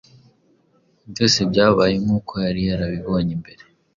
Byose byabaye nk’uko yari yarabibonye mbere.